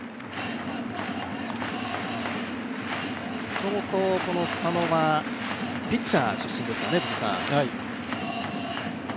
もともと佐野はピッチャー出身ですからね。